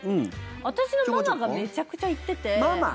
私のママがめちゃくちゃ行ってて。